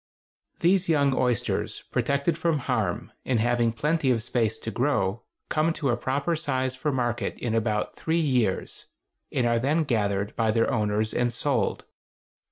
These young oysters, protected from harm, and having plenty of space to grow, come to a proper size for market in about three years, and are then gathered by their owners and sold.